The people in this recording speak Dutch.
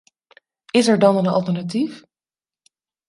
Is er dan een alternatief?